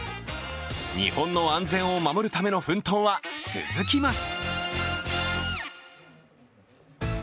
日本の安全を守るための奮闘は続きます。